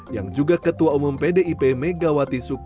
yang juga ketua umum pdip boyolali